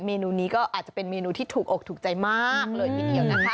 เมนูนี้ก็อาจจะเป็นเมนูที่ถูกอกถูกใจมากเลยทีเดียวนะคะ